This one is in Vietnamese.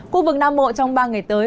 khu vực nam mộ trong ba ngày tới